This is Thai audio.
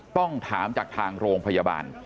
ต้องถามจากทางโรงพยาบาล